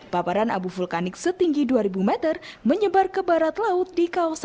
paparan abu vulkanik setinggi dua ribu meter menyebar ke barat laut di kawasan